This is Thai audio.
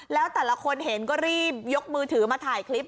แล้วแต่ละคนเห็นก็รีบยกมือถือมาถ่ายคลิป